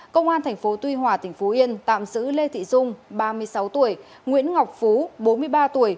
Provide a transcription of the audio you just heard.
công an tp tuy hòa tỉnh phú yên tạm giữ lê thị dung ba mươi sáu tuổi nguyễn ngọc phú bốn mươi ba tuổi